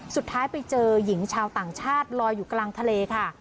สุดท้ายไปเจอหญิงชาวต่างชาติลอยอยู่กลางทะเลค่ะ